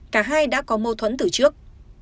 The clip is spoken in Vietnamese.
cả hai đã có mâu thuẫn từ trước